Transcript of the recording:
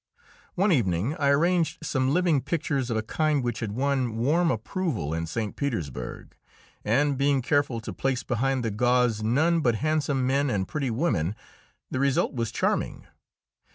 One evening I arranged some living pictures of a kind which had won warm approval in St. Petersburg, and, being careful to place behind the gauze none but handsome men and pretty women, the result was charming.